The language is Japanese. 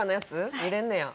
見れんねや。